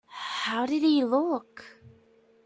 How did he look?